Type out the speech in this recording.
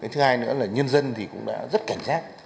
thứ hai nữa là nhân dân cũng đã rất cảnh giác